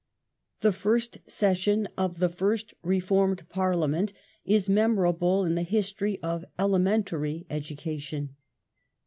^ The first session of the first reformed Pai liament is memorable The first in the history of elementary education.